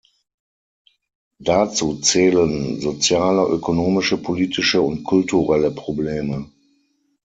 Dazu zählen soziale, ökonomische, politische und kulturelle Probleme.